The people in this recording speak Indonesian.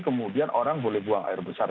kemudian orang boleh buang air besar